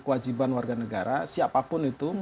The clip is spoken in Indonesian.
kewajiban warga negara siapapun itu